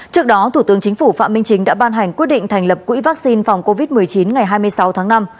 trước đó thủ tướng chính phủ phạm minh chính đã ban hành quyết định thành lập quỹ vaccine phòng covid một mươi chín ngày hai mươi sáu tháng năm